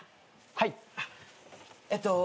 はい。